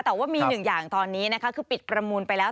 แต่ว่ามี๑อย่างตอนนี้คือปิดประมูลไปแล้ว